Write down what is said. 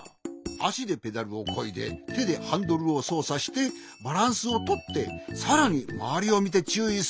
あしでペダルをこいでてでハンドルをそうさしてバランスをとってさらにまわりをみてちゅういする。